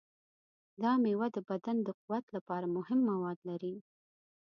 دا میوه د بدن د قوت لپاره مهم مواد لري.